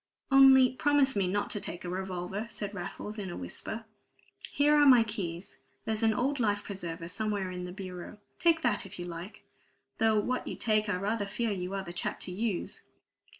"Only promise me not to take a revolver," said Raffles in a whisper. "Here are my keys; there's an old life preserver somewhere in the bureau; take that, if you like though what you take I rather fear you are the chap to use!"